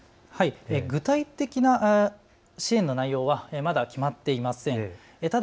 具体的な支援の内容はまだ決まっていないんです。